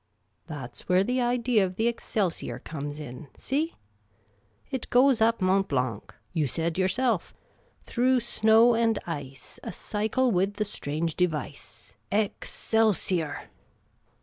Tljat 's where the idea of the Excelsior Qoxwif?, in ; see ?' It goes up Mont Blanc,' you said yourself. ' Tiirough snow and ice, A cycle with the .strange device. Excelsior